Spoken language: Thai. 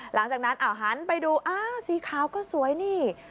หลังจากนั้นหันไปดูอ้าวสีขาวก็สวยนี่